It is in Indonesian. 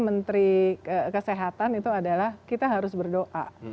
menteri kesehatan itu adalah kita harus berdoa